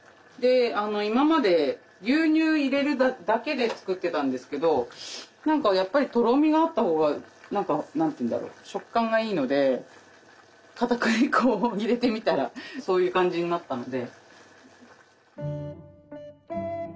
今まで牛乳入れるだけで作ってたんですけど何かやっぱりとろみがあった方がなんか何て言うんだろ食感がいいのでかたくり粉を入れてみたらそういう感じになったので。